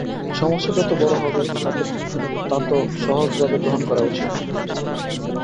সমস্যা যত বড় হবে, তাকে তাত সহজভাবে গ্রহণ করা উচিত।